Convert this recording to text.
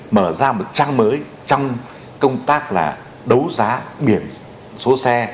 mở ra một trang mới trong công tác là đấu giá biển số xe